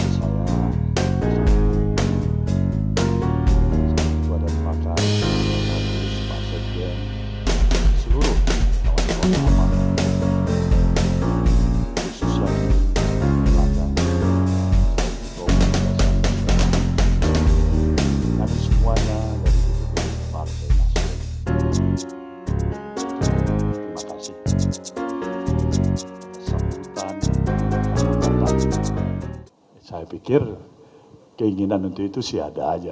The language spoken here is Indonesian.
saya pikir keinginan untuk itu sih ada aja